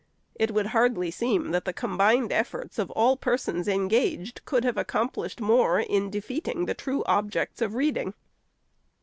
It would hardly seem that the combined efforts of all persons engaged could have accomplished more in defeating the true objects of reading.